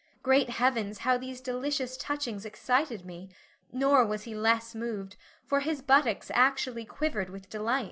Great heavens, how these delicious touchings excited me; nor was he less moved, for his buttocks actually quivered with delight.